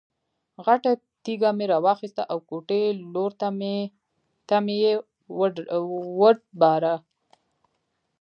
غټه تیږه مې را واخیسته او کوټې لور ته مې یې وډباړه.